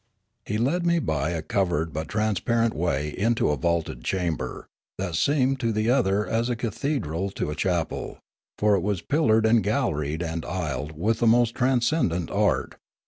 He led me by a covered but transparent way into a vaulted chamber, that seemed to the other as a cathe dral to a chapel; for it was pillared and galleried and aisled with the most transcendent art.